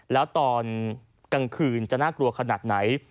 แล้วตอนกลางคืนจะน่ากลัวขนาดไหน